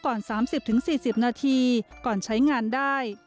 ก่อน๓๐๔๐นาทีก่อนใช้งานได้